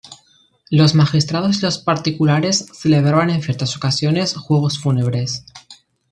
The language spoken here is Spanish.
Los magistrados y los particulares celebraban en ciertas ocasiones juegos fúnebres.